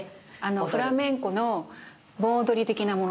フラメンコの盆踊り的なものです。